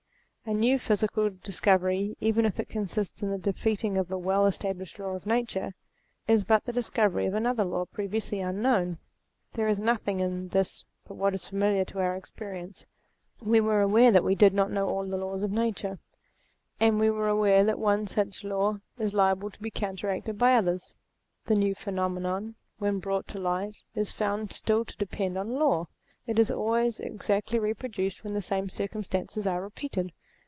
A new physical discovery even if it consists in the defeating of a well established law of nature, is but the discovery of another law previously unknown. There is nothing in this but what is familiar to our experience : we were aware that we did not know all the laws of nature, 222 THEISM and we were aware that one such law is liable to be counteracted by others. The new phenomenon, when brought to light, is found still to depend on law ; it is always exactly reproduced when the same circum stances are repeated.